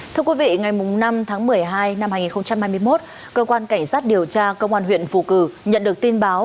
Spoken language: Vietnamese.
thưa quý vị ngày năm tháng một mươi hai năm hai nghìn hai mươi một cơ quan cảnh sát điều tra công an huyện phù cử nhận được tin báo